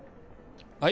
はい。